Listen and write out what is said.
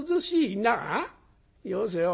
「よせよ。